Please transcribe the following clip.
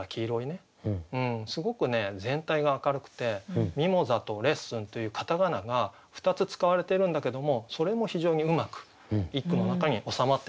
すごくね全体が明るくて「ミモザ」と「レッスン」という片仮名が２つ使われてるんだけどもそれも非常にうまく一句の中に収まってますね。